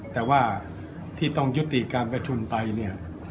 แต่ว่าที่ต้องยุติการประชุมไปเนี่ย